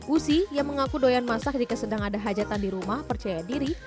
usi yang mengaku doyan masak jika sedang ada hajatan di rumah percaya diri